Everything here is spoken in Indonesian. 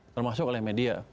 termasuk oleh media